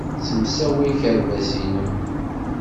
Ssemsawi akerbas-nnem.